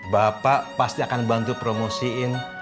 bapak pasti akan bantu promosiin